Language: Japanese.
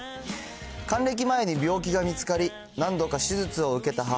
還暦前に病気が見つかり、何度か手術を受けた母。